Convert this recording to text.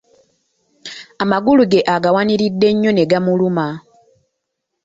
Amagulu ge agawaniride nnyo ne gamuluma.